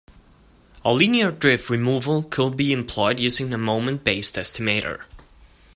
A linear drift removal could be employed using a moment based estimator.